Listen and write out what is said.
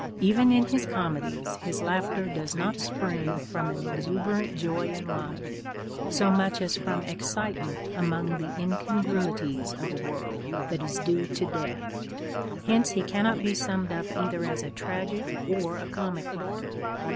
Even in his comedies, his laughter does not spring from an exuberant joy in life so much as from excitement among the incongruities of a world that is due to death. Hence he cannot be summed up either as a tragic or a comic writer.